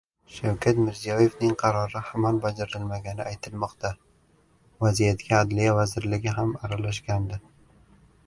Shavkat Mirziyoyevning qarori hamon bajarilmagani aytilmoqda. Vaziyatga Adliya vazirligi ham aralashgandi